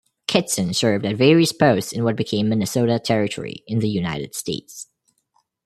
Kittson served at various posts in what became Minnesota Territory in the United States.